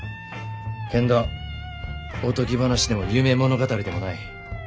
けんどおとぎ話でも夢物語でもない。